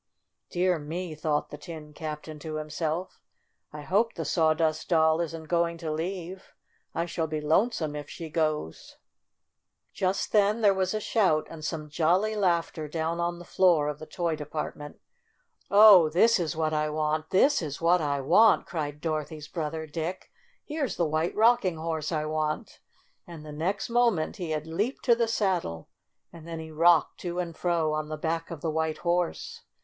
"Dear me!" thought the Tin Captain to himself, "I hope the Sawdust Doll isn't going to leave. I shall be lonesome if she goes." THE LITTLE GIRL 31 Just then there was a shout and some jolly laughter down on the floor of the toy department. "Oh, this is what I want ! This is what I want!" cried Dorothy's brother, Dick. "Here's the White Rocking Horse I want!" And the next moment he had leaped to the saddle, and then he rocked to and fro on the back of the white horse.